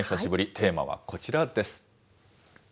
テーマはこちらです。